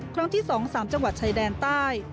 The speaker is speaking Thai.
ครั้งที่๒๓จังหวัดชายแดนใต้